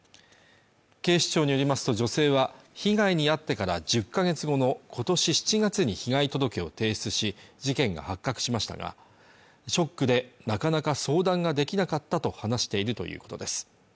警視庁によりますと女性は被害に遭ってから１０か月後の今年７月に被害届を提出し事件が発覚しましたがショックでなかなか相談ができなかったと話しているということです